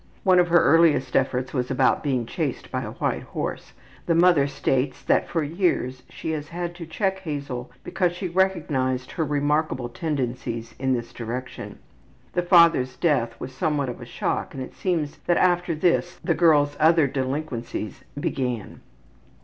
One of her earliest efforts was about being chased by a white horse. The mother states that for years she has had to check Hazel because she recognized her remarkable tendencies in this direction. The father's death was somewhat of a shock and it seems that after this the girl's other delinquencies began.